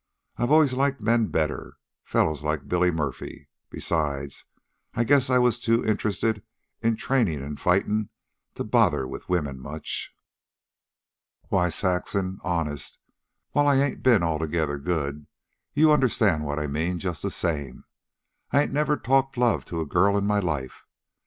I always liked men better fellows like Billy Murphy. Besides, I guess I was too interested in trainin' an' fightin' to bother with women much. Why, Saxon, honest, while I ain't ben altogether good you understand what I mean just the same I ain't never talked love to a girl in my life.